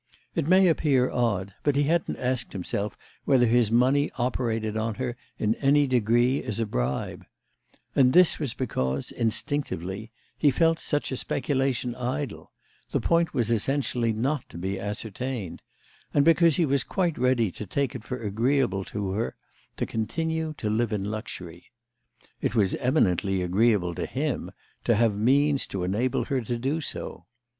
It may appear odd, but he hadn't asked himself whether his money operated on her in any degree as a bribe; and this was because, instinctively, he felt such a speculation idle—the point was essentially not to be ascertained—and because he was quite ready to take it for agreeable to her to continue to live in luxury. It was eminently agreeable to him to have means to enable her to do so.